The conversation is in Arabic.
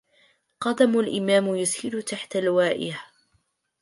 قدم الإمام يسير تحت لوائه